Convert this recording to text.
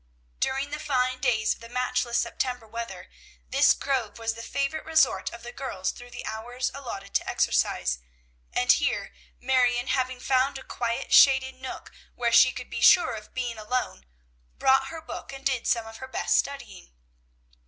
During the fine days of the matchless September weather, this grove was the favorite resort of the girls through the hours allotted to exercise; and here Marion, having found a quiet, shaded nook where she could be sure of being alone, brought her book and did some of her best studying.